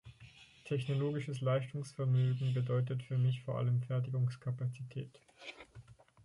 Technologisches Leistungsvermögen bedeutet für mich vor allem Fertigungskapazität.